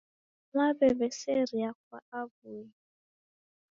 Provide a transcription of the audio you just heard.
Mwaw'eseria kwa aw'uye